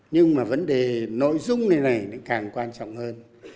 nhưng mà vấn đề nội dung này này càng quan trọng hơn